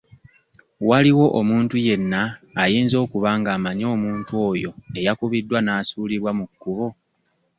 Waliwo omuntu yenna ayinza okuba ng'amanyi omuntu oyo eyakubiddwa n'asuulibwa mu kkubo?